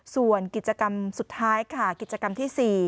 ส่วนกิจกรรมสุดท้ายค่ะกิจกรรมที่๔